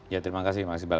ya terima kasih maksudnya